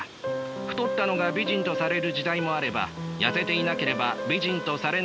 太ったのが美人とされる時代もあれば痩せていなければ美人とされない時代もある。